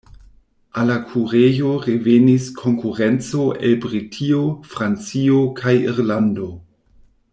Al la kurejo revenis konkurenco el Britio, Francio kaj Irlando.